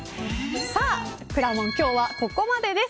さあ、くらもん今日はここまでです。